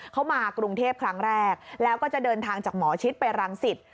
เขามากรุงเทพครั้งแรกแล้วก็จะเดินทางจากหมอชิดไปรังสิต